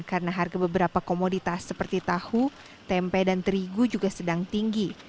karena harga beberapa komoditas seperti tahu tempe dan terigu juga sedang tinggi